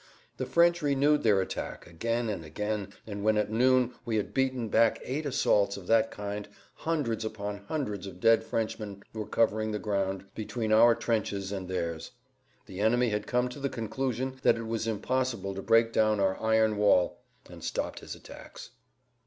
The French renewed their attack again and again, and when at noon we had beaten back eight assaults of that kind hundreds upon hundreds of dead Frenchmen were covering the ground between our trenches and theirs. The enemy had come to the conclusion that it was impossible to break down our iron wall and stopped his attacks.